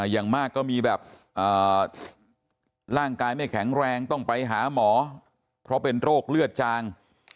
อย่างมากก็มีแบบร่างกายไม่แข็งแรงต้องไปหาหมอเพราะเป็นโรคเลือดจาง